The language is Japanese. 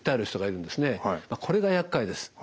これがやっかいです。